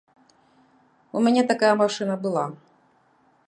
У мяне такая машына была.